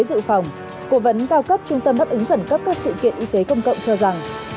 dự phòng cổ vấn cao cấp trung tâm đáp ứng khẩn cấp các sự kiện y tế công cộng cho rằng hà nội